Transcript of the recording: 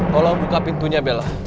tolong buka pintunya bella